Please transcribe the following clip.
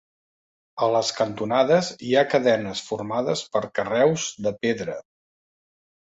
A les cantonades hi ha cadenes formades per carreus de pedra.